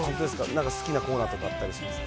なんか好きなコーナーとかあったりするんですか。